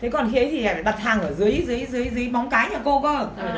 thế còn khi ấy thì phải đặt hàng ở dưới bóng cái nhà cô cơ